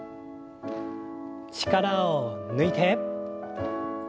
力を抜いて。